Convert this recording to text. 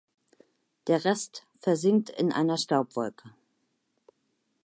Der Rest versinkt in einer Staubwolke.